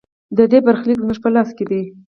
د دې برخلیک زموږ په لاس کې دی